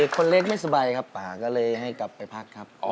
คนเล็กไม่สบายครับป่าก็เลยให้กลับไปพักครับ